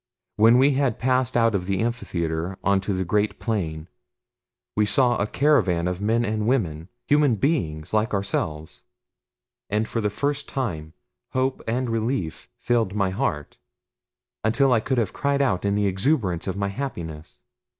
When we had passed out of the amphitheater onto the great plain we saw a caravan of men and women human beings like ourselves and for the first time hope and relief filled my heart, until I could have cried out in the exuberance of my happiness.